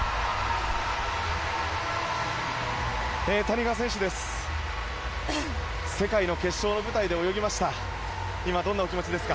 谷川選手です。